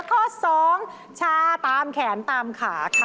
ข้อสองชาตามแขนตามขา